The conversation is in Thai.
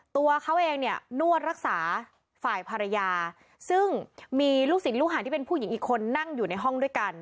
ตัวเขาเองเนี่ยนวดรักษาฝ่ายภรรยาซึ่งมีลูกศิลปลูกหาที่เป็นผู้หญิงอีกคนนั่งอยู่ในห้องด้วยกัน